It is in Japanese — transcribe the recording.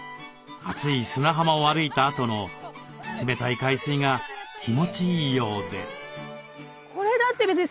熱い砂浜を歩いたあとの冷たい海水が気持ちいいようで。